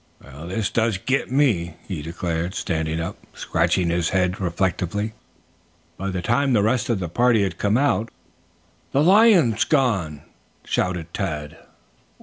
"Well this does git me," he declared, standing up, scratching his head reflectively. By that time the rest of the party had come out. "The lion's gone," shouted Tad.